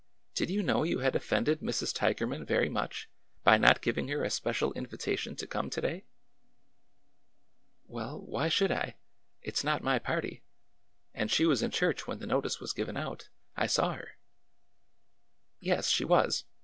Did you know you had offended Mrs. Tigerman very much by not giving her a special invitation to come to day ?" ''Well, why should I? It's not my party. And she was in church when the notice was given out. I saw her." " Yes, she was.